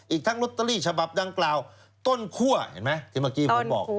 อีกทั้งลอตเตอรี่ฉบับดังกล่าวต้นคั่วเห็นไหมที่เมื่อกี้ผมบอก